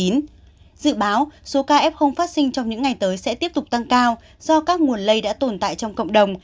dự báo số ca f phát sinh trong những ngày tới sẽ tiếp tục tăng cao do các nguồn lây đã tồn tại trong cộng đồng